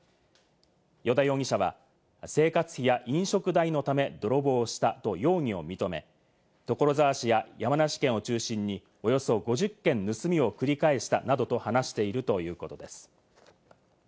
依田容疑者は生活費や飲食代のため泥棒したと容疑を認め、所沢市や山梨県を中心におよそ５０件盗みを繰り返したなどと話しているということです。